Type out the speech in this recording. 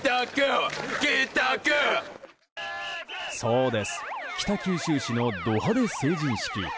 そうです北九州市のド派手成人式。